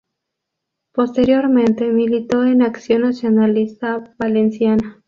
Posteriormente militó en Acción Nacionalista Valenciana.